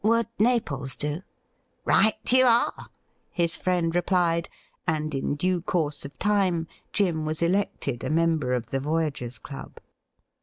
' Would Naples do .?'' Right you are,' his friend replied ; and in due cc arse of time Jim was elected a member of the Voyagers' Club.